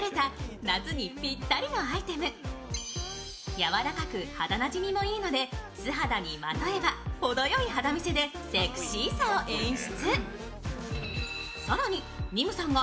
やわらかく肌なじみがいいので素肌にまとえば程よい肌見せで、セクシーさを演出。